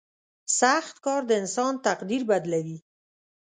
• سخت کار د انسان تقدیر بدلوي.